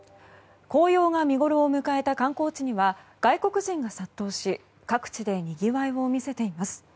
紅葉が見ごろを迎えた観光地には外国人が殺到し各地でにぎわいを見せています。